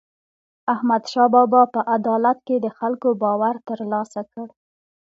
احمدشاه بابا په عدالت د خلکو باور ترلاسه کړ.